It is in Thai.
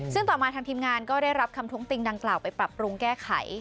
ซึ่งต่อมาทางทีมงานก็ได้รับคำท้วงติงดังกล่าวไปปรับปรุงแก้ไข